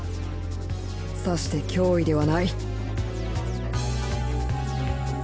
さして脅威ではない！